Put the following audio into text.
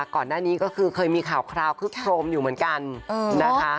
ก่อนหน้านี้ก็คือเคยมีข่าวคราวคึกโครมอยู่เหมือนกันนะคะ